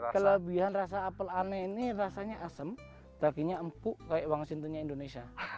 kelebihan rasa apel ane ini rasanya asam rakinya empuk kayak wang sintunya indonesia